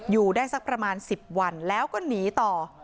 อยู่ได้สักประมาณ๑๐วันแล้วก็หนีต่อ